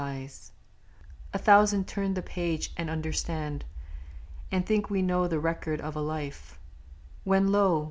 A thousand times we read; A thousand turn the page and understand, And think we know the record of a life, When lo!